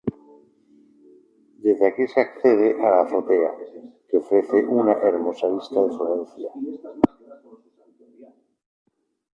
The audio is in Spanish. Desde aquí se accede a la azotea, que ofrece una hermosa vista de Florencia.